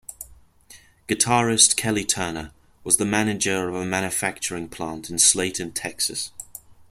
Guitarist Kelly Turner was the manager of a manufacturing plant in Slaton, Texas.